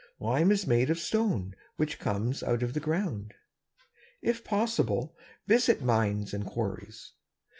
Lime is made of stone which comes out of the ground. If possible, visit mines and quarries.